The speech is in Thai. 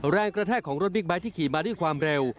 แรงกระแทกของรถบิ๊กไบท์ที่ขี่มาด้วยความเร็ว